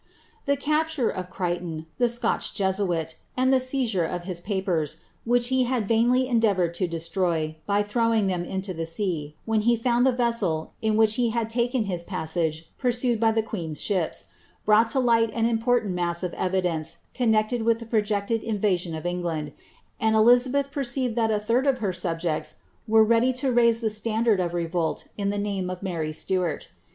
The capture of CreiglUoQ, the Scotch Jesuit, and the seizure of h» papers, which be bad vainly eiidesvoured to destroy, by throwing ihem into llic sea, when be found tbe vessel in which he had taken bia pu sage pursued by the queen's ships, brougbt to li^ht ap imponam niau of evidence connected with the projected invasion of England, and Elizabeth perceived that a third of her suhjecia were ready to raise the elandard of revolt in the name of Mary Siuarl.